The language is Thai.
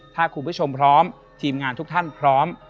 ถ้าคุณผู้ชมพร้อมทีมงานทุกท่านพร้อม